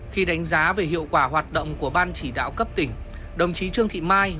khi đánh giá về hiệu quả hoạt động của ban chỉ đạo cấp tỉnh đồng chí trương thị mai